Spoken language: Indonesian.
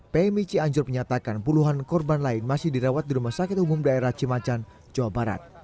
pmi cianjur menyatakan puluhan korban lain masih dirawat di rumah sakit umum daerah cimacan jawa barat